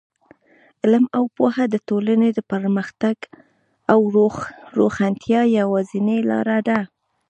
علم او پوهه د ټولنې د پرمختګ او روښانتیا یوازینۍ لاره ده.